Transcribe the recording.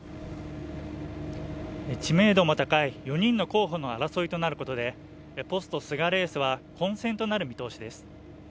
知名度も高い４人の候補の争いとなることでポスト菅レースは混戦となる見通しです